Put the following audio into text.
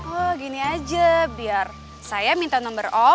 oh gini aja biar saya minta nomer om